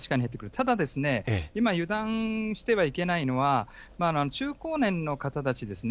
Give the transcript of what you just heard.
ただ、今油断してはいけないのは、中高年の方たちですね。